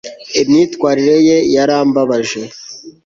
imyitwarire ye yarambabaje